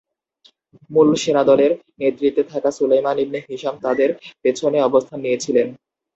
মূল সেনাদলের নেতৃত্বে থাকা সুলাইমান ইবনে হিশাম তাদের পেছনে অবস্থান নিয়েছিলেন।